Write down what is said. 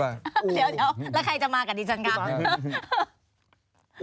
แล้วใครจะมากับดิจังกัน